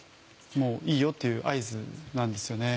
もういいよっていう合図なんですよね。